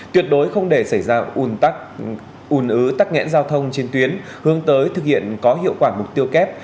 tuyệt đối không để xảy ra un tắc ùn ứ tắc nghẽn giao thông trên tuyến hướng tới thực hiện có hiệu quả mục tiêu kép